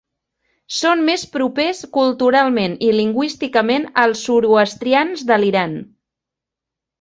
Són més propers culturalment i lingüísticament als zoroastrians de l'Iran.